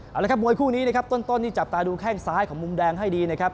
เอาละครับมวยคู่นี้นะครับต้นนี่จับตาดูแข้งซ้ายของมุมแดงให้ดีนะครับ